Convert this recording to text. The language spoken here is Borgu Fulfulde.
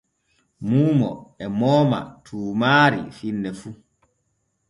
Muumo e mooma tuumaari finne fu.